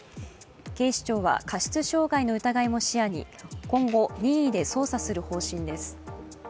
警視庁は過失傷害の疑いも視野に今後、任意で捜査する方針です。